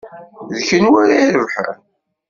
D kunwi ara irebḥen?